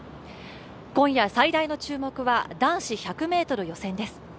今夜最大の注目は男子１００ｍ予選です。